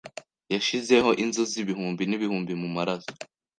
Yashizeho inzuzi ibihumbi nibihumbi mumaraso